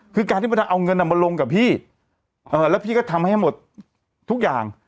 คือการที่บรรดาเอาเงินมาลงกับพี่แล้วพี่ก็ทำให้หมดทุกอย่าง